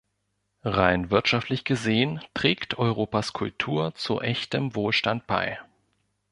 Rein wirtschaftlich gesehen, trägt Europas Kultur zu echtem Wohlstand bei.